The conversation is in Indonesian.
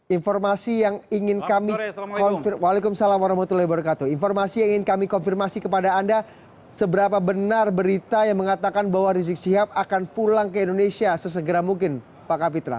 informasi yang ingin kami konfirmasi kepada anda seberapa benar berita yang mengatakan bahwa rizik sihab akan pulang ke indonesia sesegera mungkin pak kapitra